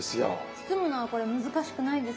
包むのはこれ難しくないですか？